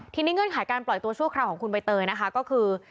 ทีนี้เงื่อนไขการปล่อยตัวชั่วคราวของคุณใบเตยนะคะก็คือ